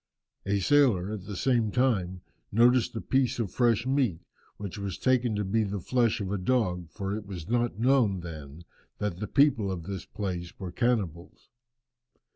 A sailor, at the same time, noticed a piece of fresh meat, which was taken to be the flesh of a dog, for it was not known then that the people of the place were cannibals.